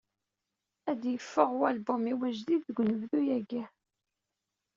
"Ad yeffeɣ walbum-iw ajdid deg unebdu-agi".